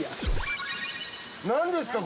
何ですか？